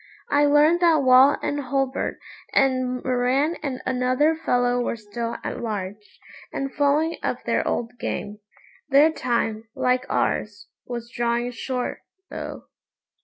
I learned that Wall and Hulbert and Moran and another fellow were still at large, and following up their old game. Their time, like ours, was drawing short, though.